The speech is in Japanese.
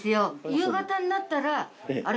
夕方になったら、あれ？